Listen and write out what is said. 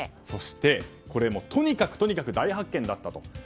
そして、これとにかく大発見だったと。